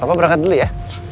nah papa berangkat dulu ya